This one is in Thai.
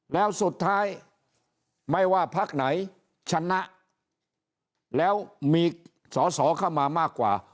แล้วสุดท้ายไม่ว่าพักไหนชนะแล้วมีสอสอเข้ามามากกว่า